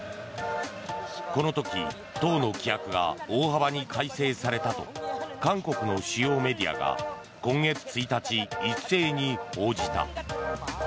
この時、党の規約が大幅に改正されたと韓国の主要メディアが今月１日、一斉に報じた。